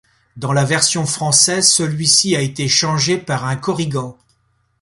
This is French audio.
Dans la version française celui-ci a été changé par un korrigan.